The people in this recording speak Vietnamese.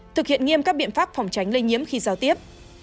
thực hiện nghiêm các biện pháp phòng tránh lây nhiễm khi giao tiếp